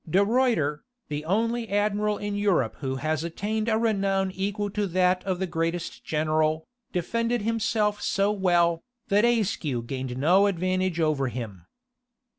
De Ruiter, the only admiral in Europe who has attained a renown equal to that of the greatest general, defended himself so well, that Ayscue gained no advantage over him.